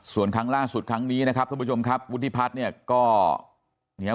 ส่วนครั้งล่าสุดครั้งนี้นะครับท่านผู้ชมครับวุฒิพัฒน์เนี่ยก็เนี่ย